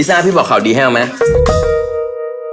ลิซ่าพี่บอกข่าวดีให้เอาไหม